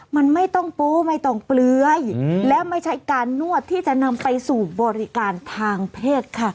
มันไม่ต้องโป๊ไม่ต้องเปลือยและไม่ใช่การนวดที่จะนำไปสู่บริการทางเพศค่ะ